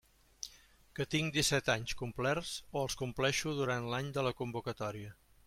Que tinc disset anys complerts o els compleixo durant l'any de la convocatòria.